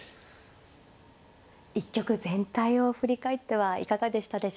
一局全体を振り返ってはいかがでしたでしょうか。